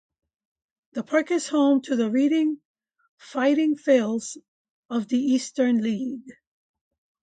The park is home to the Reading Fightin Phils of the Eastern League.